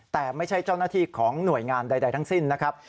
แต่ไม่ใช่เจ้าหน้าที่ของหน่วยงานใดทั้งสิ้นนะครับ